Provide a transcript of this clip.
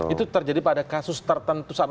itu terjadi pada kasus tertentu